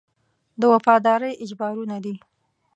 د وفادارۍ اجبارونه دي.